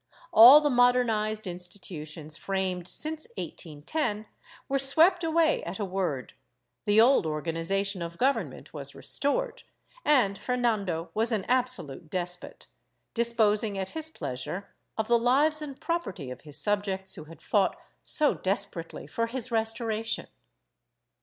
All the modernized insti tutions framed since 1810 were swept away at a word, the old organization of Government was restored, and Fernando was an absolute despot, disposing at his pleasure of the lives and property of his subjects who had fought so desperately for his restoration.